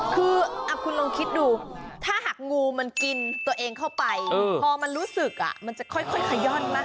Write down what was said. คือคุณลองคิดดูถ้าหากงูมันกินตัวเองเข้าไปพอมันรู้สึกมันจะค่อยขย่อนมาก